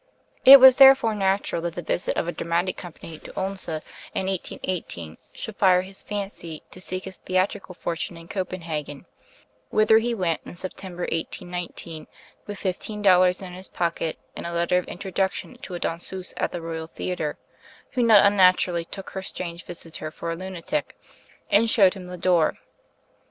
It was therefore natural that the visit of a dramatic company to Odense, in 1818, should fire his fancy to seek his theatrical fortune in Copenhagen; whither he went in September, 1819, with fifteen dollars in his pocket and a letter of introduction to a danseuse at the Royal Theatre, who not unnaturally took her strange visitor for a lunatic, and showed him the door.